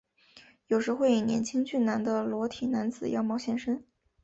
有时会以年轻俊美的裸体男子样貌现身。